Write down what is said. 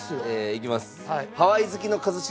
いきます。